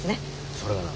それがな